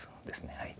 はい。